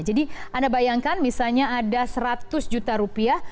jadi anda bayangkan misalnya ada seratus juta rupiah